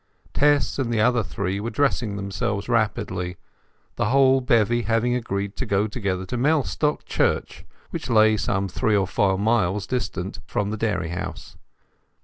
Tess and the other three were dressing themselves rapidly, the whole bevy having agreed to go together to Mellstock Church, which lay some three or four miles distant from the dairy house.